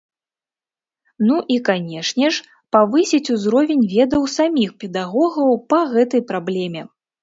Ну і, канечне ж, павысіць узровень ведаў саміх педагогаў па гэтай праблеме.